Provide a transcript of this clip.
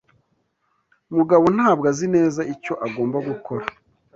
Mugabo ntabwo azi neza icyo agomba gukora.